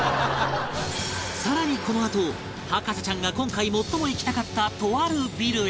更にこのあと博士ちゃんが今回最も行きたかったとあるビルへ！